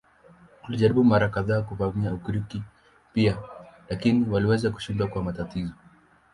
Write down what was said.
Walijaribu mara kadhaa kuvamia Ugiriki pia lakini waliweza kushindwa kwa matatizo.